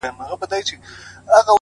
صبر د وخت له سیند سره سفر دی,